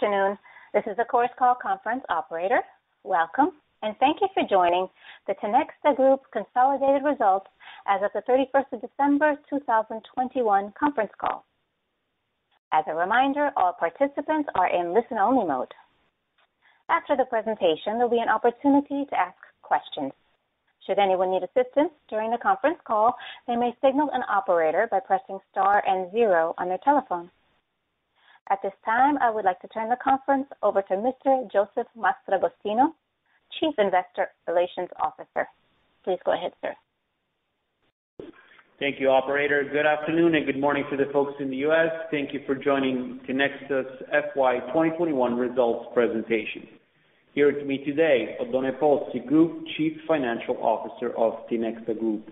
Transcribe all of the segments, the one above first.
Good afternoon. This is the Chorus Call conference operator. Welcome, and thank you for joining the Tinexta Group Consolidated Results as of the 31st of December 2021 Conference Call. As a reminder, all participants are in listen-only mode. After the presentation, there'll be an opportunity to ask questions. Should anyone need assistance during the conference call, they may signal an operator by pressing star and zero on their telephone. At this time, I would like to turn the conference over to Mr. Josef Mastragostino, Chief Investor Relations Officer. Please go ahead, sir. Thank you, operator. Good afternoon, and good morning to the folks in the U.S. Thank you for joining Tinexta's FY2021 Results Presentation. Here with me today, Oddone Pozzi, Group Chief Financial Officer of Tinexta Group.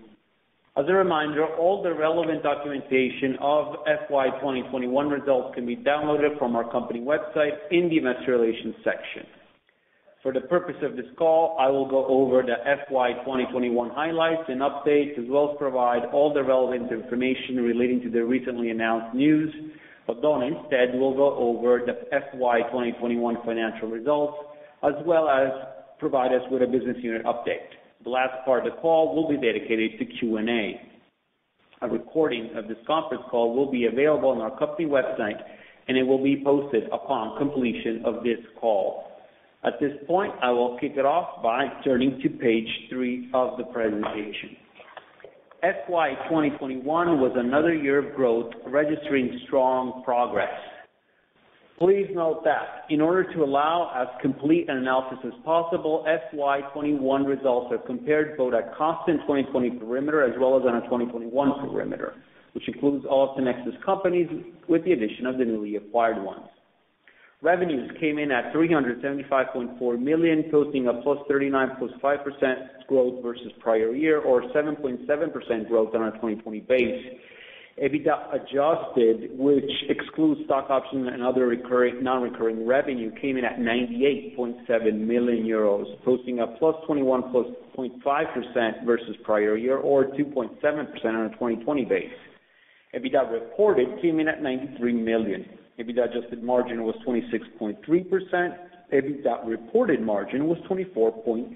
As a reminder, all the relevant documentation of FY2021 results can be downloaded from our company website in the investor relations section. For the purpose of this call, I will go over the FY2021 highlights and updates, as well as provide all the relevant information relating to the recently announced news. Oddone instead will go over the FY2021 financial results as well as provide us with a business unit update. The last part of the call will be dedicated to Q&A. A recording of this conference call will be available on our company website, and it will be posted upon completion of this call. At this point, I will kick it off by turning to page three of the presentation. FY2021 was another year of growth, registering strong progress. Please note that in order to allow as complete an analysis as possible, FY2021 results are compared both at constant 2020 perimeter as well as on a 2021 perimeter, which includes all Tinexta's companies with the addition of the newly acquired ones. Revenues came in at 375.4 million, posting a +39.5% growth versus prior year or 7.7% growth on a 2020 base. EBITDA adjusted, which excludes stock options and other non-recurring revenue, came in at 98.7 million euros, posting a +21.5% versus prior year or 2.7% on a 2020 base. EBITDA reported came in at 93 million. EBITDA adjusted margin was 26.3%. EBITDA reported margin was 24.8%.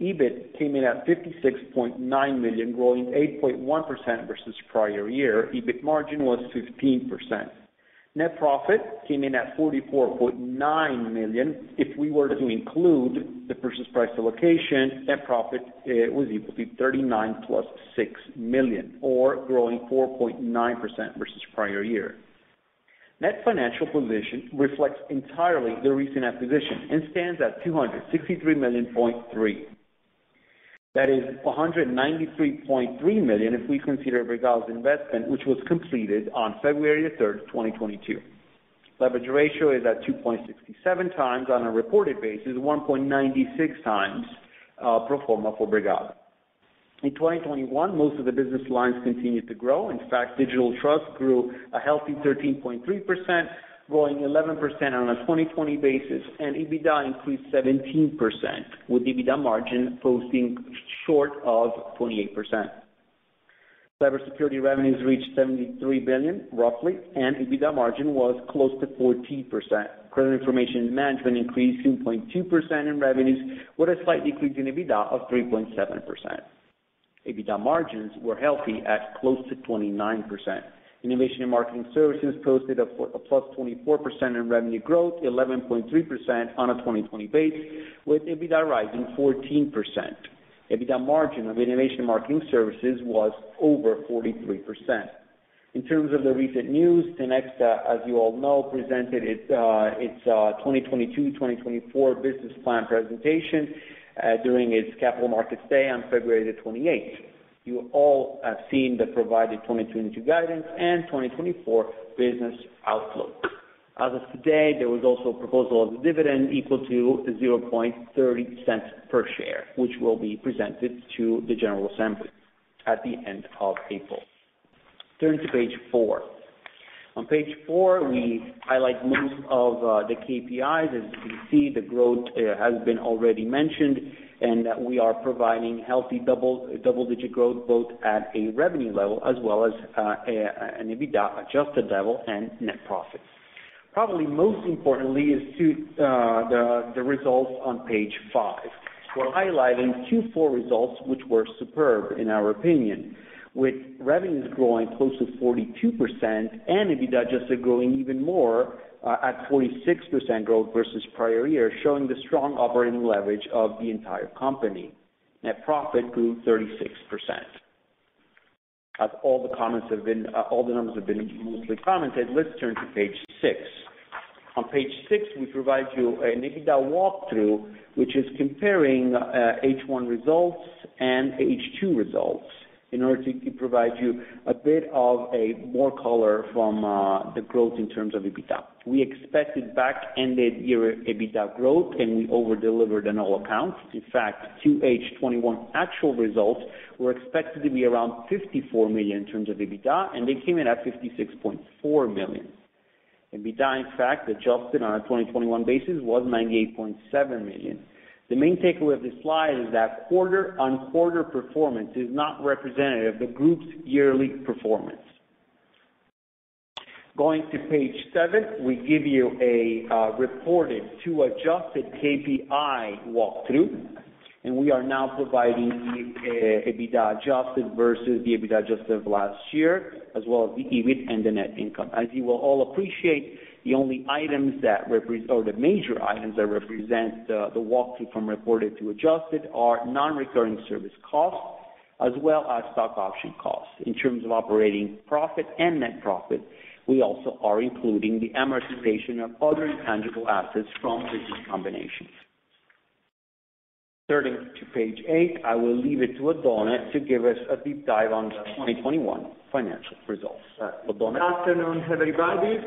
EBIT came in at 56.9 million, growing 8.1% versus prior year. EBIT margin was 15%. Net profit came in at 44.9 million. If we were to include the purchase price allocation, net profit actually was 39 plus 6 million or growing 4.9% versus prior year. Net financial position reflects entirely the recent acquisition and stands at 263.3 million. That is 193.3 million if we consider Bregal's investment, which was completed on February 3rd, 2022. Leverage ratio is at 2.67x on a reported basis, 1.96x pro forma for Bregal. In 2021, most of the business lines continued to grow. In fact, Digital Trust grew a healthy 13.3%, growing 11% on a 2020 basis, and EBITDA increased 17%, with EBITDA margin posting short of 28%. Cybersecurity revenues reached EUR 73 billion roughly, and EBITDA margin was close to 14%. Credit information management increased 2.2% in revenues, with a slight increase in EBITDA of 3.7%. EBITDA margins were healthy at close to 29%. Innovation and Marketing Services posted a +24% in revenue growth, 11.3% on a 2020 base, with EBITDA rising 14%. EBITDA margin of Innovation and Marketing Services was over 43%. In terms of the recent news, Tinexta, as you all know, presented its 2022-2024 business plan presentation during its capital markets day on February 28. You all have seen the provided 2022 guidance and 2024 business outlook. As of today, there was also a proposal of dividend equal to 0.30 per share, which will be presented to the general assembly at the end of April. Turn to page four. On page four, we highlight most of the KPIs. As you can see, the growth has been already mentioned, and we are providing healthy double-digit growth both at a revenue level as well as an EBITDA-adjusted level and net profits. Probably most importantly are the results on page five. We're highlighting Q4 results, which were superb in our opinion, with revenues growing close to 42% and EBITDA adjusted growing even more, at 46% growth versus prior year, showing the strong operating leverage of the entire company. Net profit grew 36%. As all the numbers have been mostly commented, let's turn to page six. On page six, we provide you an EBITDA walkthrough, which is comparing H1 results and H2 results in order to provide you a bit of a more color from the growth in terms of EBITDA. We expected back-ended year EBITDA growth, and we over-delivered on all accounts. In fact, 2H 2021 actual results were expected to be around 54 million in terms of EBITDA, and they came in at 56.4 million. EBITDA, in fact, adjusted on a 2021 basis was 98.7 million. The main takeaway of this slide is that quarter-on-quarter performance is not representative of the group's yearly performance. Going to page seven, we give you a reported to adjusted KPI walkthrough, and we are now providing the EBITDA adjusted versus the EBITDA adjusted last year, as well as the EBIT and the net income. As you will all appreciate, the only items or the major items that represent the walkthrough from reported to adjusted are non-recurring service costs as well as stock option costs. In terms of operating profit and net profit, we also are including the amortization of other intangible assets from business combinations. Turning to page eight, I will leave it to Oddone to give us a deep dive on the 2021 financial results. Oddone? Good afternoon, everybody.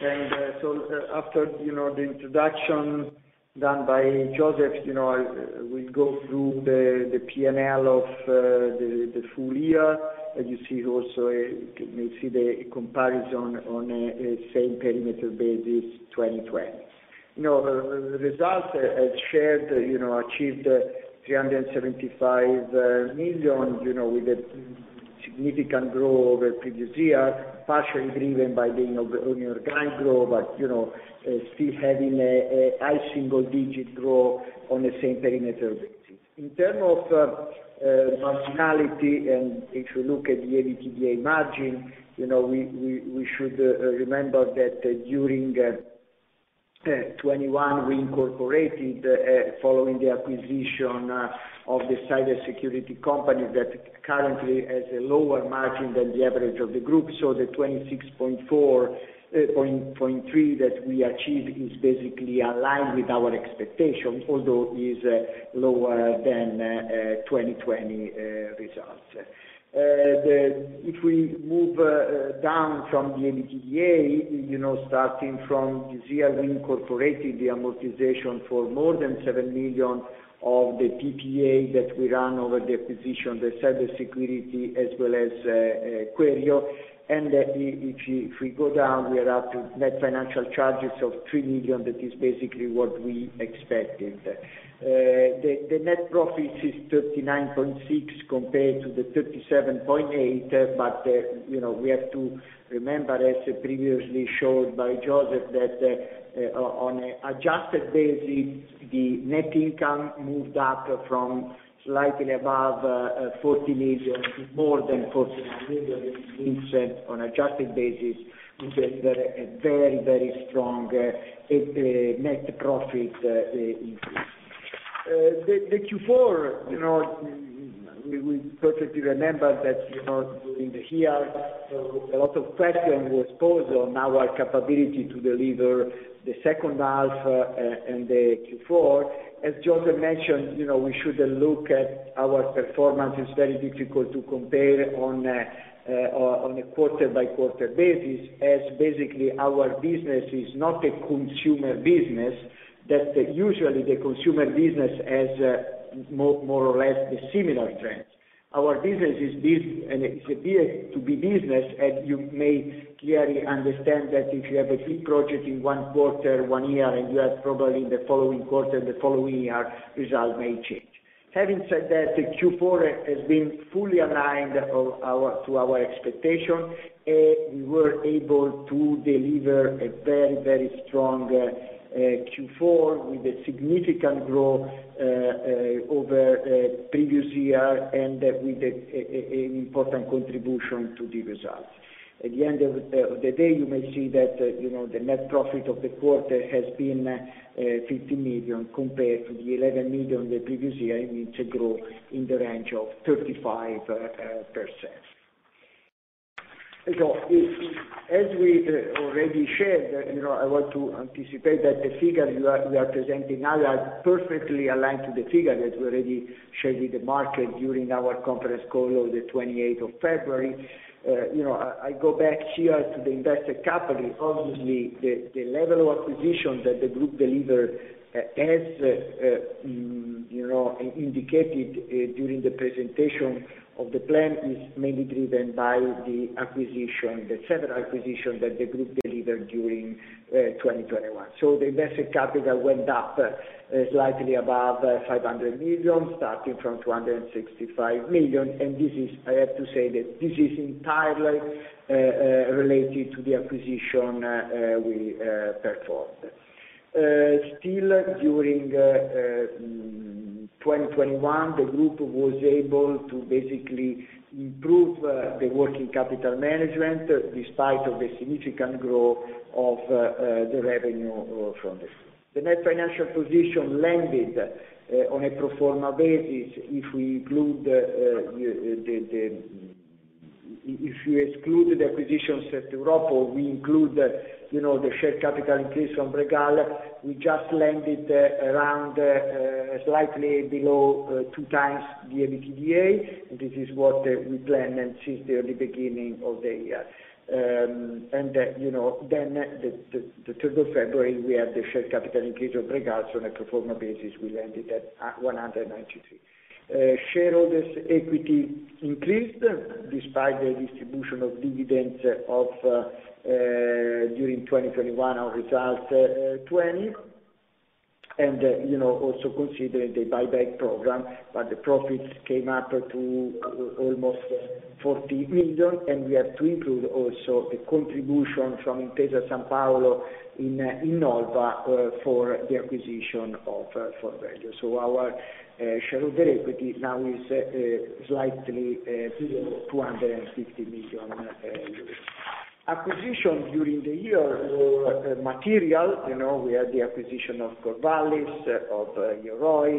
After you know the introduction done by Josef you know I will go through the P&L of the full year. As you see also you can see the comparison on a same perimeter basis, 2020. You know the results as shared you know achieved 375 million you know with a significant growth over previous year, partially driven by the you know the organic growth, but you know still having a high single digit growth on the same perimeter basis. In terms of marginality, and if you look at the EBITDA margin, you know, we should remember that during 2021, we incorporated, following the acquisition, of the cybersecurity company that currently has a lower margin than the average of the group. The 26.43% that we achieved is basically aligned with our expectations, although it is lower than 2020 results. If we move down from the EBITDA, you know, starting from this year, we incorporated the amortization for more than 7 million of the PPA that we run over the acquisition of the cybersecurity as well as Queryo. If we go down, we are up to net financial charges of 3 million. That is basically what we expected. The net profit is 39.6 million compared to the 37.8 million, but you know, we have to remember, as previously showed by Josef, that on an adjusted basis, the net income moved up from slightly above 40 million to more than 49 million. This is on adjusted basis, which is very, very strong net profit increase. The Q4, you know, we perfectly remember that, you know, during the year, so a lot of question was posed on our capability to deliver the second half and the Q4. As Josef mentioned, you know, we should look at our performance. It's very difficult to compare on a quarter-by-quarter basis, as basically our business is not a consumer business that usually the consumer business has more or less similar trends. Our business is a B2B business, and you may clearly understand that if you have a big project in one quarter one year, and you have probably the following quarter the following year, result may change. Having said that, Q4 has been fully aligned to our expectation. We were able to deliver a very strong Q4 with significant growth over previous year and with an important contribution to the results. At the end of the day, you may see that, you know, the net profit of the quarter has been 50 million compared to the 11 million the previous year. It means a growth in the range of 35%. As we'd already shared, you know, I want to anticipate that the figures we are presenting now are perfectly aligned to the figures that we already shared with the market during our conference call on the 28 of February. You know, I go back here to the invested capital. Obviously, the level of acquisition that the group delivered, as indicated during the presentation of the plan is mainly driven by the several acquisitions that the group delivered during 2021. The invested capital went up slightly above 500 million, starting from 265 million, and this is, I have to say that this is entirely related to the acquisition we performed. During 2021, the group was able to basically improve the working capital management despite the significant growth of the revenue from this. The net financial position landed on a pro forma basis. If you exclude the acquisition of Ropo, we include, you know, the share capital increase from Bregal, we just landed around slightly below 2x the EBITDA. This is what we planned since the early beginning of the year. You know, at the 3rd of February, we had the share capital increase of Bregal. On a pro forma basis, we landed at 193 million. Shareholders equity increased despite the distribution of dividends during 2021 of 2020 results. You know, also considering the buyback program, but the profits came up to almost 40 million, and we have to include also the contribution from Intesa Sanpaolo in equity for the acquisition of Forvalue. Our shareholders equity now is slightly 250 million euros. Acquisitions during the year were material. You know, we had the acquisition of Corvallis and Yoroi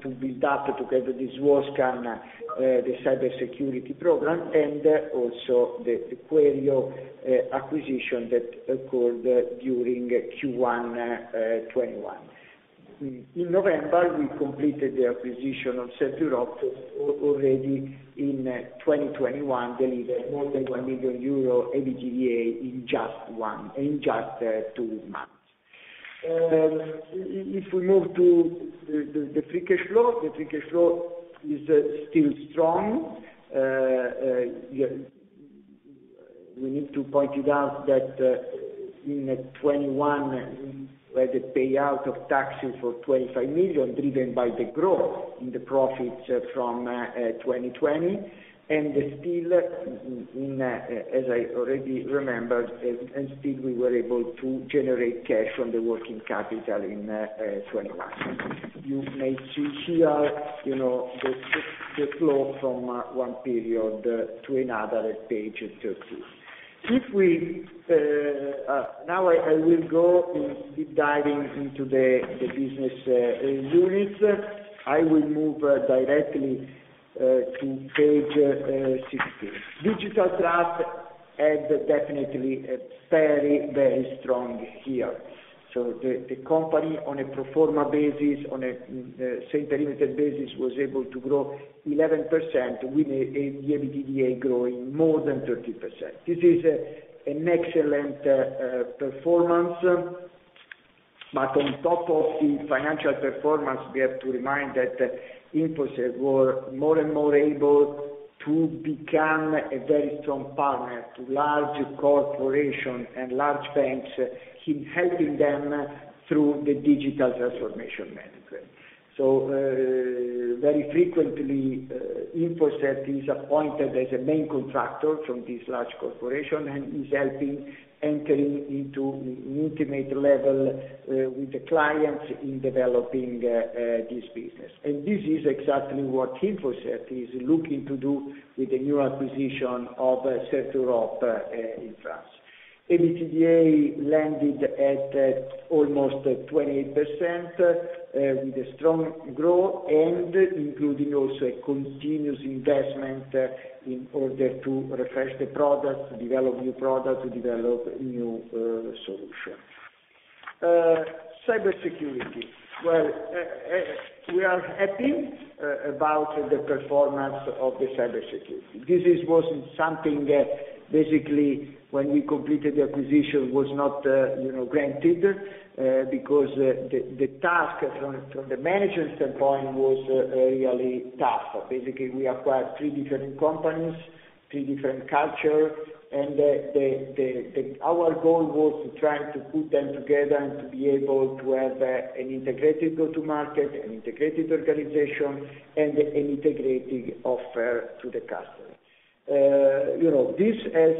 to build up together this Swascan, the cybersecurity program, and also the Queryo acquisition that occurred during Q1 2021. In November, we completed the acquisition of CertEurope already in 2021, delivered more than 1 million euro EBITDA in just two months. If we move to the free cash flow, the free cash flow is still strong. We need to point it out that in 2021 we had a payout of taxes for 25 million, driven by the growth in the profits from 2020. Still, as I already mentioned, we were able to generate cash from the working capital in 2021. You may see here the flow from one period to another at page 30. Now I will go deep diving into the business units. I will move directly to page 16. Digital Trust had definitely a very strong year. The company on a pro forma basis, on a same perimeter basis, was able to grow 11% with the EBITDA growing more than 13%. This is an excellent performance. On top of the financial performance, we have to remind that, InfoCert were more and more able to become a very strong partner to large corporation and large banks in helping them through the digital transformation management. Very frequently, InfoCert is appointed as a main contractor from this large corporation, and is helping entering into intimate level, with the clients in developing, this business. This is exactly what InfoCert is looking to do with the new acquisition of, CertEurope infrastructure. EBITDA landed at almost 28%, with a strong growth and including also a continuous investment, in order to refresh the product, to develop new product, to develop new solutions. Cybersecurity. Well, we are happy about the performance of the Cybersecurity. This is wasn't something that basically when we completed the acquisition was not, you know, granted, because the task from the manager's standpoint was really tough. Basically, we acquired three different companies, three different cultures, and our goal was to try to put them together and to be able to have an integrated go-to-market, an integrated organization, and an integrated offer to the customer. You know, this has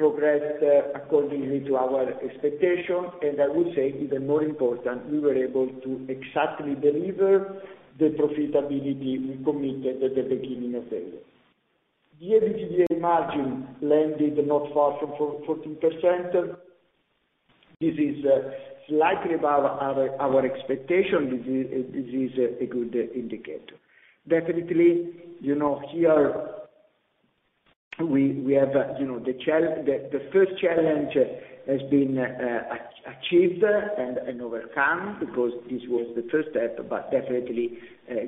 progressed accordingly to our expectation, and I would say even more important, we were able to exactly deliver the profitability we committed at the beginning of the year. The EBITDA margin landed not far from 14%. This is slightly above our expectation. This is a good indicator. Definitely, you know, here we have, you know, the first challenge has been achieved and overcome because this was the first step. Definitely,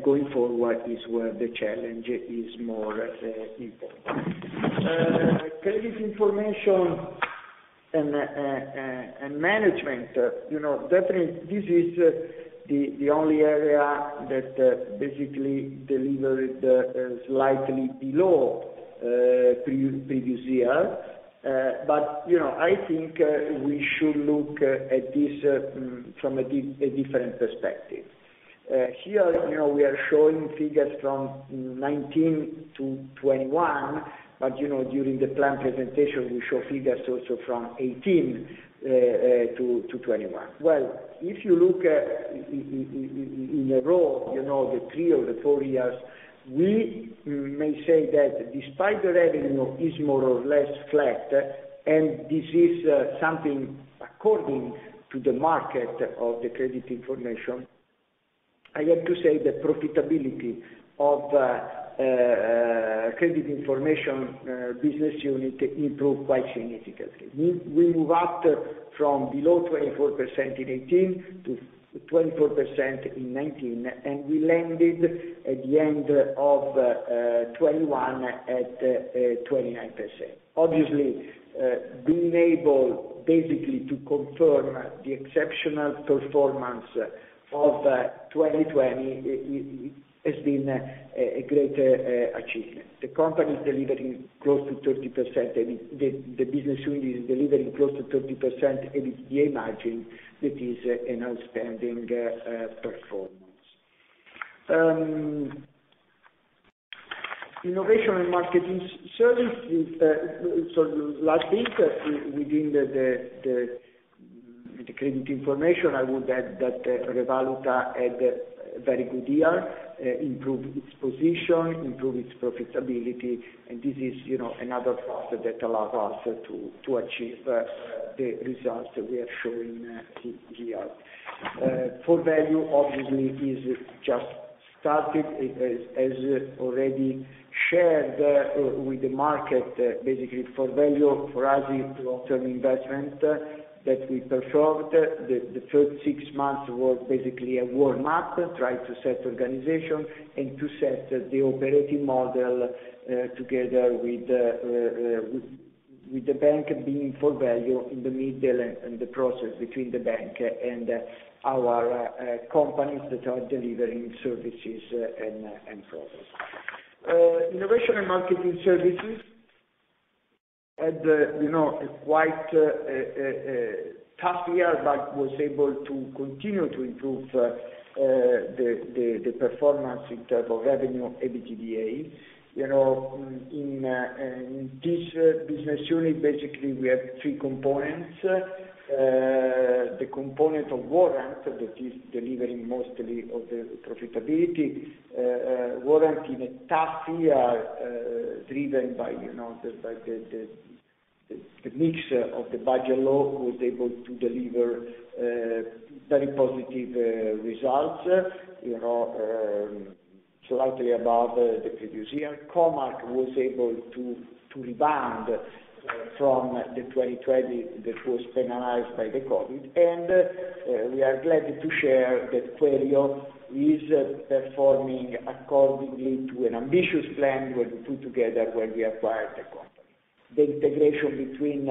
going forward is where the challenge is more important. Credit information and management, you know, definitely this is the only area that basically delivered slightly below previous year. You know, I think we should look at this from a different perspective. Here, you know, we are showing figures from 2019 to 2021, but, you know, during the plan presentation, we show figures also from 2018 to 2021. Well, if you look in a row, you know, the three or four years, we may say that despite the revenue is more or less flat, and this is something according to the market of the credit information, I have to say the profitability of credit information business unit improved quite significantly. We move up from below 24% in 2018 to 24% in 2019, and we landed at the end of 2021 at 29%. Obviously, being able basically to confirm the exceptional performance of 2020 is been a great achievement. The company is delivering close to 30%. I mean, the business unit is delivering close to 30% EBITDA margin. That is an outstanding performance. Innovation and marketing service is so like this within the credit information. I would add that Re Valuta had a very good year, improved its position, improved its profitability, and this is, you know, another factor that allow us to achieve the results that we are showing here. Forvalue obviously is just started. It has already shared with the market. Basically Forvalue for us is long-term investment that we performed. The first six months were basically a warm up, try to set organization and to set the operating model together with the bank being Forvalue in the middle and the process between the bank and our companies that are delivering services and products. Innovation and Marketing Services had the, you know, quite tough year, but was able to continue to improve the performance in terms of revenue, EBITDA. You know, in this business unit, basically we have three components. The component of Warrant that is delivering most of the profitability, Warrant in a tough year, driven by, you know, like the mixture of the budget law was able to deliver very positive results, you know, slightly above the previous year. Co.Mark was able to rebound from the 2020 that was penalized by the COVID. We are glad to share that Queri yo is performing according to an ambitious plan we put together when we acquired the company. The integration between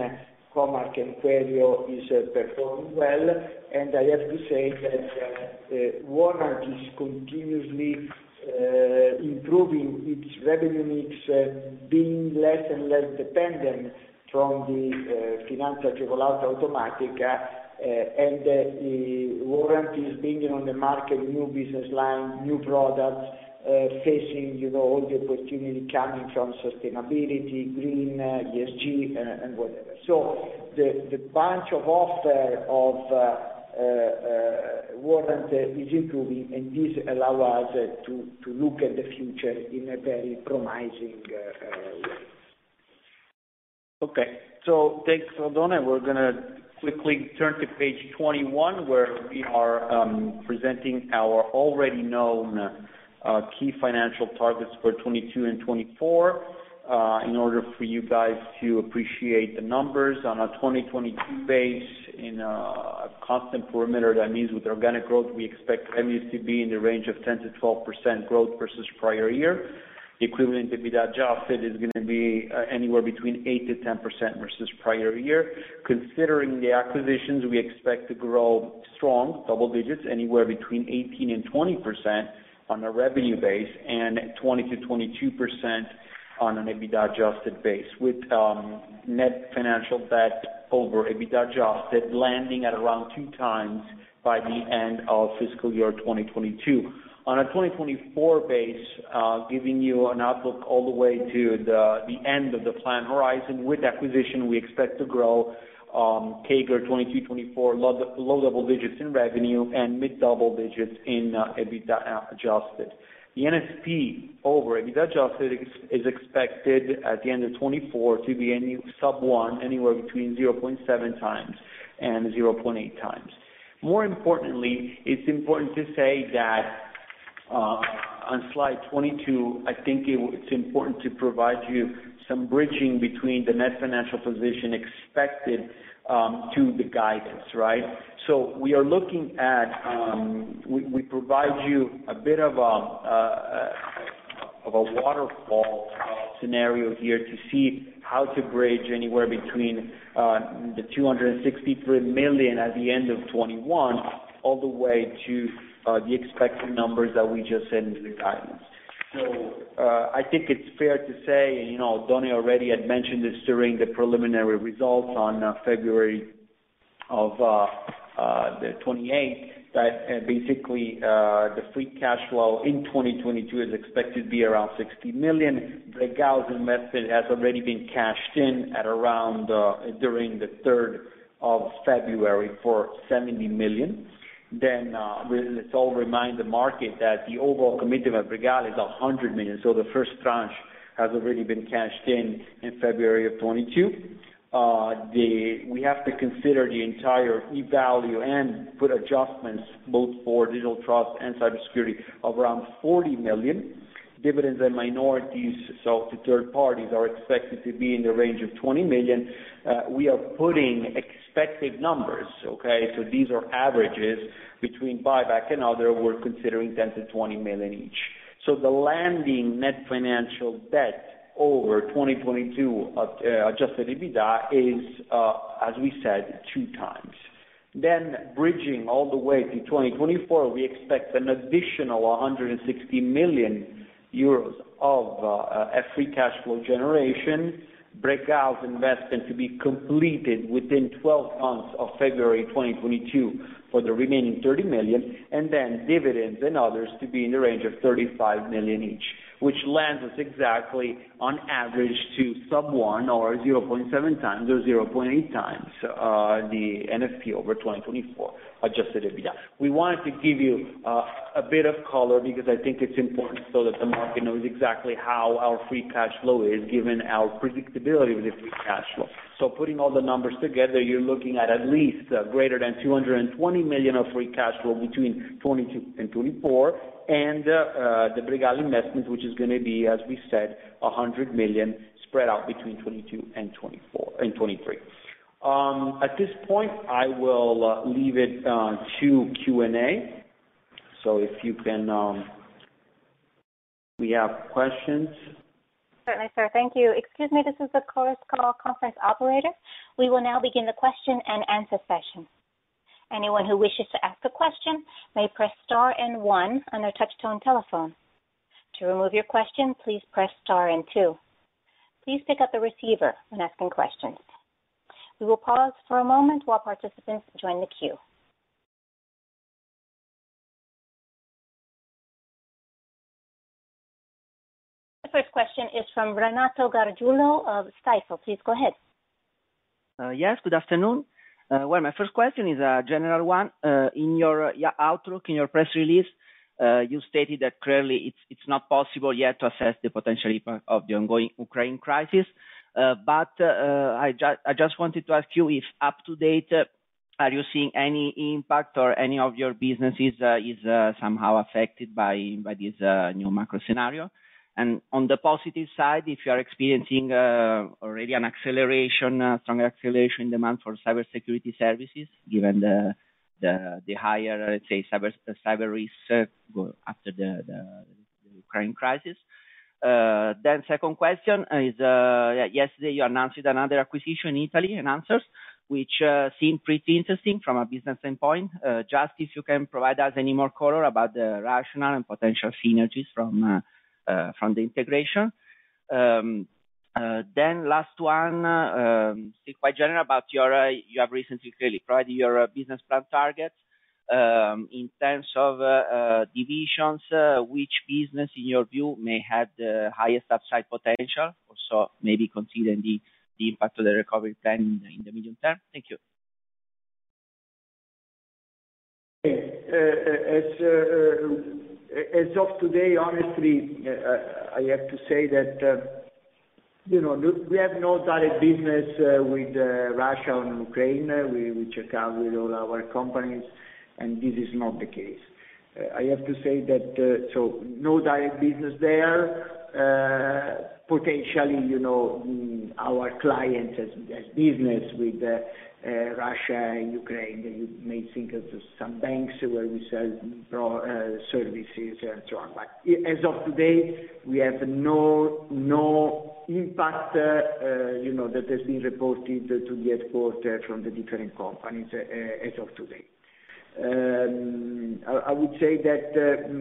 Co.Mark and Quero is performing well, and I have to say that Warrant is continuously improving its revenue mix, being less and less dependent from the Finanza Agevolata, and the Warrant is bringing on the market new business line, new products, facing, you know, all the opportunity coming from sustainability, green, ESG and whatever. The bunch of offer of Warrant is improving, and this allow us to look at the future in a very promising way. Okay. Thanks, Oddone. We're gonna quickly turn to page 21, where we are presenting our already known key financial targets for 2022 and 2024. In order for you guys to appreciate the numbers on a 2022 base in a constant perimeter, that means with organic growth, we expect revenue in the range of 10% to 12% growth versus prior year. The equivalent EBITDA adjusted is gonna be anywhere between 8% to 10% versus prior year. Considering the acquisitions, we expect to grow strong double digits anywhere between 18% and 20% on a revenue base and 20% to 22% on an EBITDA adjusted base with net financial debt over EBITDA adjusted landing at around 2x by the end of fiscal year 2022. On a 2024 base, giving you an outlook all the way to the end of the plan horizon, with acquisition, we expect to grow CAGR 22-24 low double digits in revenue and mid-double digits in EBITDA adjusted. The NFP over EBITDA adjusted is expected at the end of 2024 to be any sub one, anywhere between 0.7x and 0.8x. More importantly, it's important to say that on slide 22, I think it's important to provide you some bridging between the net financial position expected to the guidance, right? We provide you a bit of a waterfall scenario here to see how to bridge anywhere between the 263 million at the end of 2021, all the way to the expected numbers that we just said in the guidance. I think it's fair to say, you know, Oddone already had mentioned this during the preliminary results on February 28, that basically the free cash flow in 2022 is expected to be around 60 million. The Bregal payment has already been cashed in around, during the 3rd February for 70 million. Let's all remind the market that the overall commitment of Bregal is 100 million. The first tranche has already been cashed in February 2022. We have to consider the entire earn-out and put adjustments both for Digital Trust and Cybersecurity of around 40 million. Dividends and minorities, so to third parties, are expected to be in the range of 20 million. We are putting expected numbers, okay? These are averages between buyback and other. We're considering 10 to 20 million each. The landing net financial debt over 2022 at adjusted EBITDA is, as we said, 2x. Then bridging all the way to 2024, we expect an additional 160 million euros of a free cash flow generation, Bregal investment to be completed within 12 months of February 2022 for the remaining 30 million, and then dividends and others to be in the range of 35 million each. Which lands us exactly on average to sub 1 or 0.7x or 0.8x the NFP over 2024 adjusted EBITDA. We wanted to give you a bit of color because I think it's important so that the market knows exactly how our free cash flow is, given our predictability with the free cash flow. Putting all the numbers together, you're looking at at least greater than 220 million of free cash flow between 2022 and 2024, and the Bregal investment, which is gonna be, as we said, 100 million spread out between 2022, 2023, and 2024. At this point, I will leave it to Q&A. If you can, we have questions. Certainly, sir. Thank you. Excuse me, this is the Chorus Call conference operator. We will now begin the question-and-answer session. Anyone who wishes to ask a question may press star and one on their touch tone telephone. To remove your question, please press star and two. Please pick up the receiver when asking questions. We will pause for a moment while participants join the queue. The first question is from Renato Gargiulo of Stifel. Please go ahead. Yes, good afternoon. Well, my first question is a general one. In your outlook, in your press release, you stated that clearly it's not possible yet to assess the potential impact of the ongoing Ukraine crisis. I just wanted to ask you if to date, are you seeing any impact or any of your businesses is somehow affected by this new macro scenario? On the positive side, if you are experiencing already an acceleration, strong acceleration demand for cybersecurity services, given the higher, let's say, cyber risk after the Ukraine crisis. Second question is, yesterday, you announced another acquisition in Italy, Enhancers, which seemed pretty interesting from a business standpoint. Just if you can provide us any more color about the rationale and potential synergies from the integration? Last one is quite general about your you have recently clearly provided your business plan targets. In terms of divisions, which business in your view may have the highest upside potential? Also, maybe considering the impact of the recovery plan in the medium term. Thank you. As of today, honestly, I have to say that, you know, we have no direct business with Russia and Ukraine. We checked out with all our companies, and this is not the case. I have to say that no direct business there. Potentially, you know, our clients have business with Russia and Ukraine. You may think of some banks where we sell services and so on. As of today, we have no impact, you know, that has been reported to the headquarters from the different companies, as of today. I would say that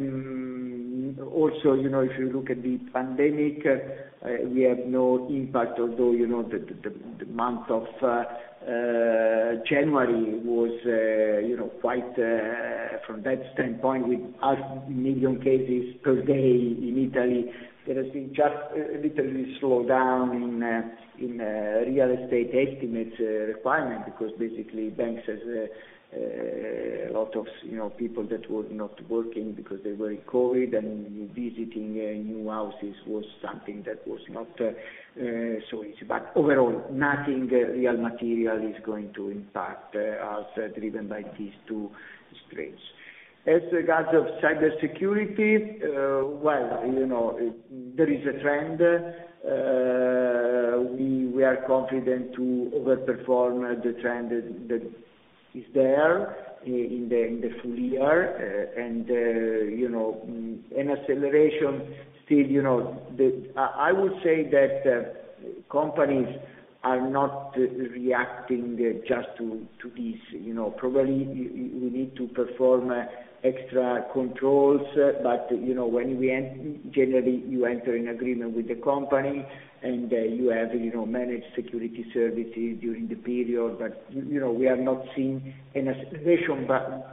also, you know, if you look at the pandemic, we have no impact, although, you know, the month of January was, you know, quite from that standpoint, with 500,000 cases per day in Italy, there has been just a little slow down in real estate estimates requirement, because basically banks has a lot of, you know, people that were not working because they were COVID and visiting new houses was something that was not so easy. But overall, nothing really material is going to impact us driven by these two strains. As regards Cybersecurity, well, you know, there is a trend. We are confident to overperform the trend that is there in the full year. You know, an acceleration still. You know, I would say that companies are not reacting just to this, you know. Probably we need to perform extra controls, but you know, generally, you enter an agreement with the company and you have you know, managed security services during the period. You know, we have not seen an acceleration, but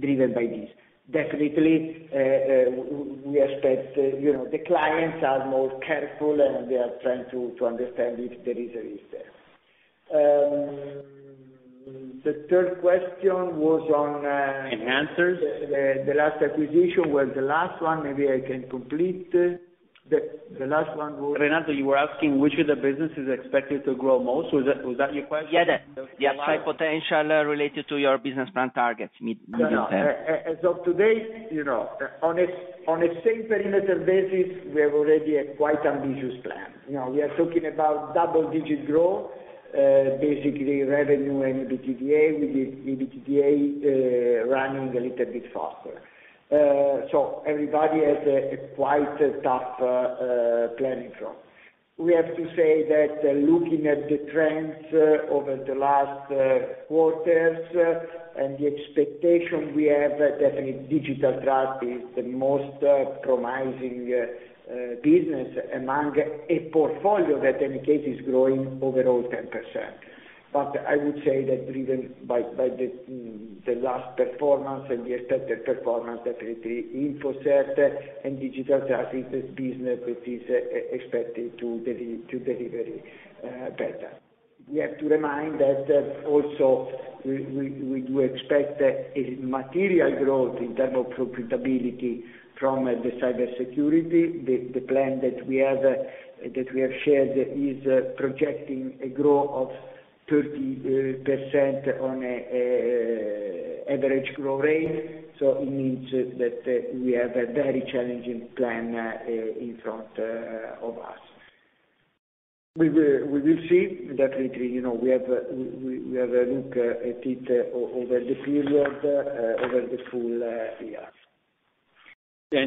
driven by this. Definitely, we expect you know, the clients are more careful and they are trying to understand if there is a risk there. The third question was on Enhancers. The last acquisition was the last one. Maybe I can complete. The last one was- Renato, you were asking which of the business is expected to grow most? Was that your question? Yeah. The upside potential related to your business plan targets medium term. As of today, on a same perimeter basis, we have already a quite ambitious plan. You know, we are talking about double digit growth, basically revenue and EBITDA, with the EBITDA running a little bit faster. So everybody has a quite tough planning role. We have to say that looking at the trends over the last quarters, and the expectation we have, definitely Digital Trust is the most promising business among a portfolio that is growing overall 10%. But I would say that driven by the last performance and the expected performance that the InfoCert and Digital Trust is the business that is expected to deliver better. We have to remind that also we do expect a material growth in terms of profitability from the Cybersecurity. The plan that we have shared is projecting a growth of 30% on an average growth rate. It means that we have a very challenging plan in front of us. We will see that, you know, we have a look at it over the period over the full year. To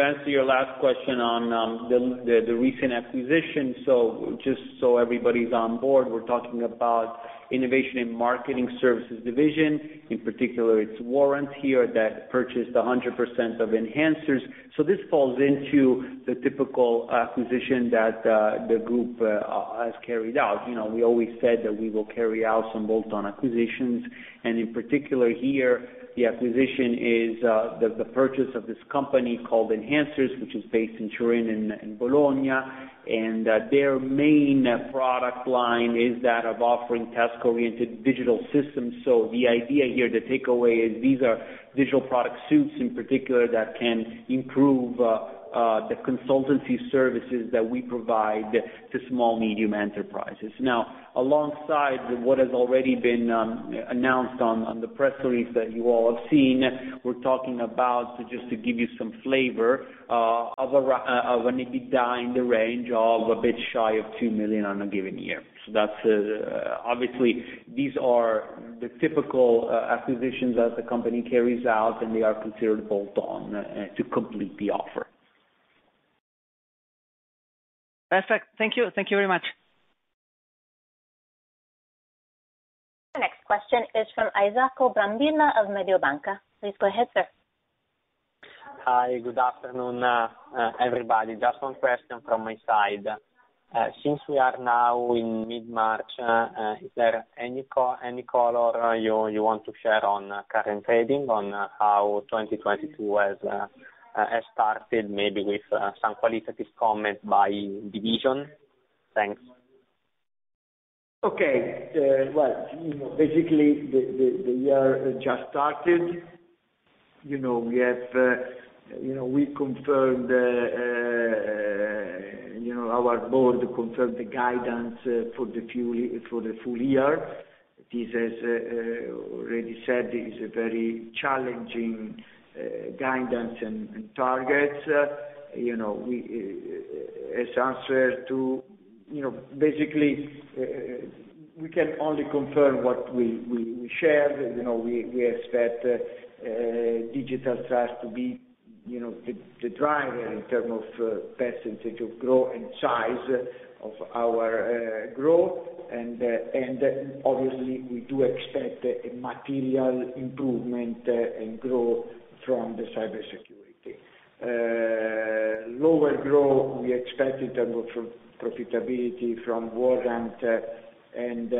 answer your last question on the recent acquisition. So just so everybody's on board, we're talking about innovation and marketing services division. In particular, it's Warrant Hub that purchased 100% of Enhancers. So this falls into the typical acquisition that the group has carried out. You know, we always said that we will carry out some bolt-on acquisitions, and in particular here, the acquisition is the purchase of this company called Enhancers, which is based in Turin and Bologna. Their main product line is that of offering task-oriented digital systems. So the idea here, the takeaway is these are digital product suites in particular that can improve the consultancy services that we provide to small medium enterprises. Now, alongside what has already been announced on the press release that you all have seen, we're talking about, so just to give you some flavor of an EBITDA in the range of a bit shy of 2 million on a given year. That's obviously these are the typical acquisitions that the company carries out, and they are considered bolt-on to complete the offer. Perfect. Thank you. Thank you very much. The next question is from Isacco Brambilla of Mediobanca. Please go ahead, sir. Hi, good afternoon, everybody. Just one question from my side. Since we are now in mid-March, is there any call, any color you want to share on current trading on how 2022 has started, maybe with some qualitative comment by division? Thanks. Okay. Well, you know, basically the year just started. You know, we have confirmed, you know, our board confirmed the guidance for the full year. This, as already said, is a very challenging guidance and targets. You know, in answer to, you know, basically, we can only confirm what we shared. You know, we expect Digital Trust to be, you know, the driver in terms of percentage of growth and size of our growth. Obviously we do expect a material improvement in growth from the Cybersecurity. Lower growth, we expect in terms of profitability from Warrant Hub, and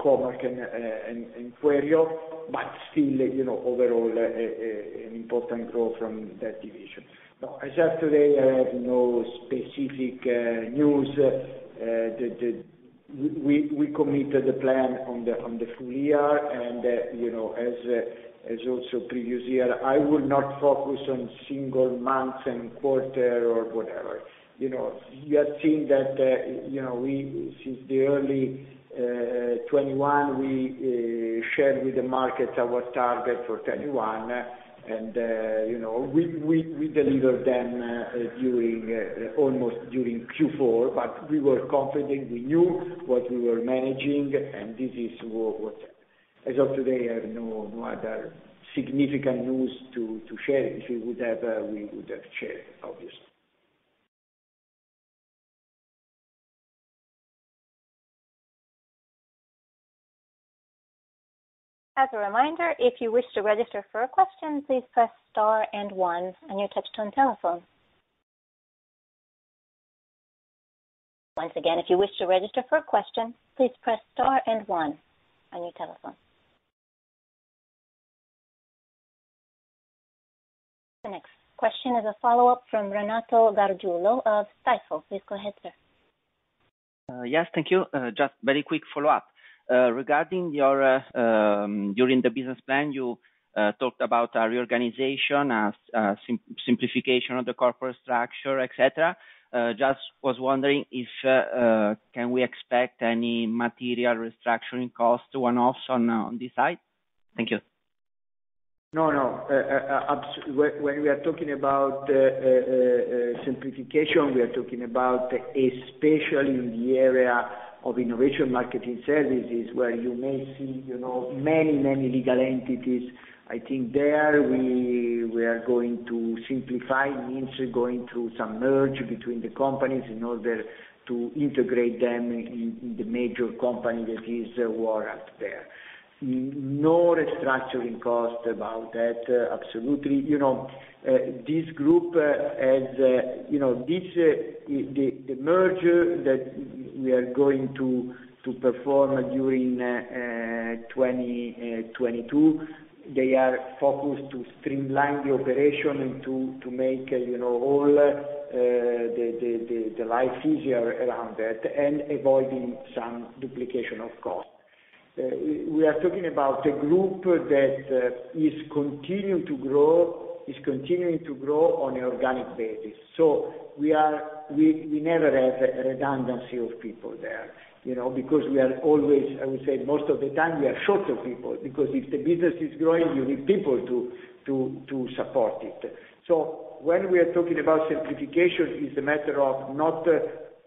Co.Mark and Quero, but still, you know, overall, an important growth from that division. Now, as of today, I have no specific news that we are committed to the plan for the full year. You know, as in the previous year, I would not focus on single months and quarters or whatever. You know, we have seen that, you know, since the early 2021, we shared with the market our target for 2021. You know, we delivered them during almost Q4, but we were confident we knew what we were managing, and this is what happened. As of today, I have no other significant news to share. If we would have shared, obviously. The next question is a follow-up from Renato Gargiulo of Stifel. Please go ahead, sir. Yes, thank you. Just very quick follow-up. Regarding the reorganization you talked about during the business plan, simplification of the corporate structure, et cetera. I was just wondering if we can expect any material restructuring costs or one-offs on this side? Thank you. No, no. When we are talking about simplification, we are talking about especially in the area of innovation marketing services, where you may see, you know, many legal entities. I think there we are going to simplify, means we're going to some merge between the companies in order to integrate them in the major company that is a Warrant there. No restructuring cost about that, absolutely. You know, this group has, you know, this, the merger that we are going to perform during 2022, they are focused to streamline the operation and to make, you know, all the life easier around that and avoiding some duplication of cost. We are talking about a group that is continuing to grow on an organic basis. We never have a redundancy of people there, you know, because we are always, I would say most of the time we are short of people, because if the business is growing, you need people to support it. When we are talking about simplification, it's a matter of not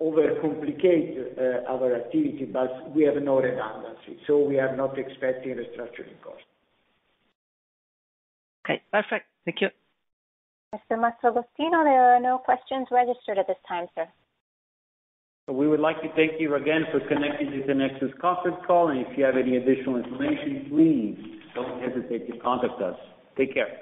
overcomplicate our activity, but we have no redundancy, so we are not expecting restructuring costs. Okay, perfect. Thank you. Mr. Mastragostino, there are no questions registered at this time, sir. We would like to thank you again for connecting to the Tinexta conference call, and if you have any additional information, please don't hesitate to contact us. Take care.